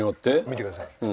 見てください。